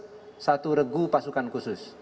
jadi kita membawa kemudian kembali ke pasukan khusus